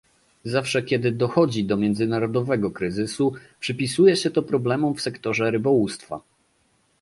Zawsze kiedy dochodzi do międzynarodowego kryzysu, przypisuje się to problemom w sektorze rybołówstwa